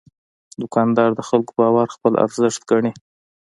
دوکاندار د خلکو باور خپل ارزښت ګڼي.